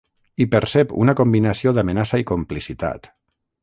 Hi percep una combinació d'amenaça i complicitat.